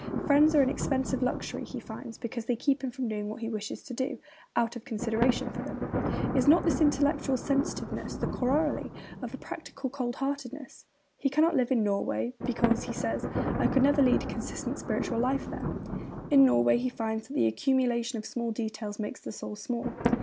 'Friends are an expensive luxury,' he finds, because they keep him from doing what he wishes to do, out of consideration for them. Is not this intellectual sensitiveness the corollary of a practical cold heartedness? He cannot live in Norway because, he says, 'I could never lead a consistent spiritual life there.' In Norway he finds that 'the accumulation of small details makes the soul small.'